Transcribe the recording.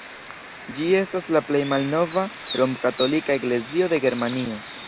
Ĝi estas la plej malnova rom-katolika eklezio de Germanio.